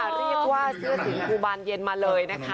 เรียกว่าเชื่อถึงภูบานเย็นมาเลยนะคะ